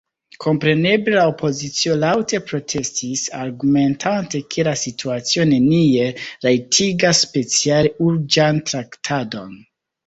Kompreneble la opozicio laŭte protestis, argumentante, ke la situacio neniel rajtigas speciale urĝan traktadon.